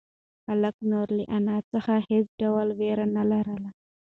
هلک نور له انا څخه هېڅ ډول وېره نه لري.